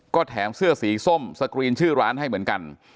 ก็แถมเสื้อสีส้มสกรีนชื่อร้านให้เหมือนกัน